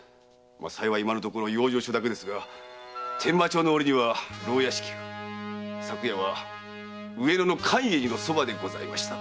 幸い今のところ養生所だけですが天馬町のおりには牢屋敷が昨夜は上野の寛永寺の側でした。